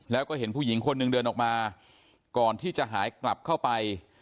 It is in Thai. แล้วก็เห็นผู้หญิงคนหนึ่งเดินออกมาก่อนที่จะหายกลับเข้าไป